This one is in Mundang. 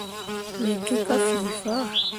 Me gi ka fii faa.